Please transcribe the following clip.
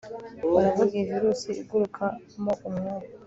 baravuga iyi virusi igukuramo umwuka